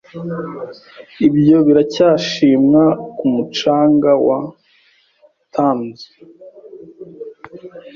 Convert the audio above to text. Ibyo biracyashimwa ku mucanga wa Thames